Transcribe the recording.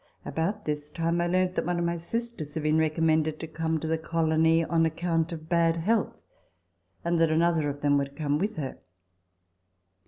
About this time I learnt that one of my sisters had been recommended to come to the colony on ac count of bad health, and that another of them would come with her.